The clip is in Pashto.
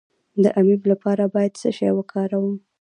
د امیب لپاره باید څه شی وکاروم؟